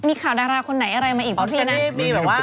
มีข่าวดาราคนไหนอะไรมาอีกป่ะนะ